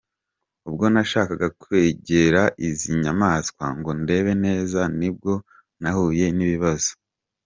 Ubwonashakaga kwegera izi nyamaswa ngo ndebe neza, nibwo nahuye n’ibibazo.